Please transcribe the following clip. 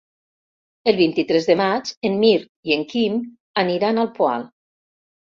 El vint-i-tres de maig en Mirt i en Quim aniran al Poal.